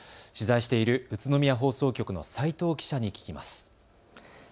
取材している宇都宮放送局の齋藤記者に聞きます。